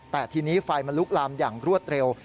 แต่ทีนี้ไฟมันลุกลามอย่างรวดเร็ว